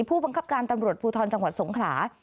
ผู้บังคับการตำรวจภูทรจังหวัดสงขลา